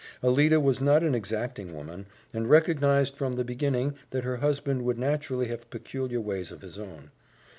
Alida was not an exacting woman, and recognized from the beginning that her husband would naturally have peculiar ways of his own.